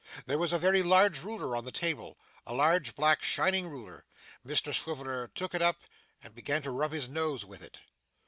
There was a very large ruler on the table; a large, black, shining ruler. Mr Swiveller took it up and began to rub his nose with it.